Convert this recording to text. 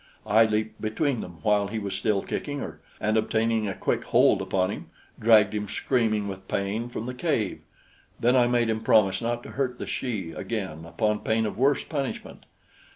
I leaped between them while he was still kicking her, and obtaining a quick hold upon him, dragged him screaming with pain from the cave. Then I made him promise not to hurt the she again, upon pain of worse punishment.